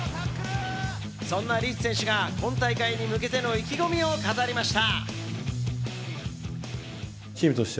そんなリーチ選手が今大会に向けての意気込みを語りました。